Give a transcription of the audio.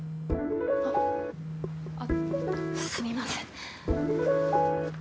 あっあっすみません。